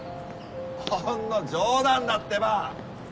ほんの冗談だってば。